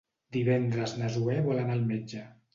Divendres na Zoè vol anar al metge.